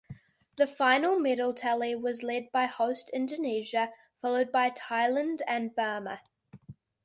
The final medal tally was led by host Indonesia, followed by Thailand and Burma.